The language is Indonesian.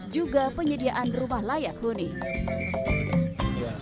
juga penyediaan rumah layak huni